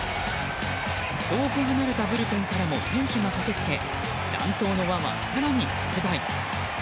遠く離れたブルペンからも選手が駆けつけ乱闘の輪は更に拡大。